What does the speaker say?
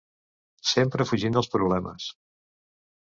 Sempre fugint dels problemes.